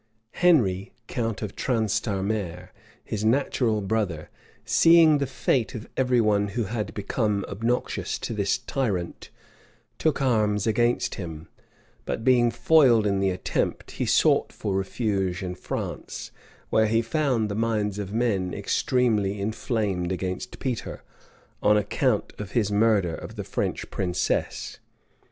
Henry, count of Transtamare, his natural brother, seeing the fate of every one who had become obnoxious to this tyrant, took arms against him; but being foiled in the attempt, he sought for refuge in France, where he found the minds of men extremely inflamed against Peter, on account of his murder of the French princess.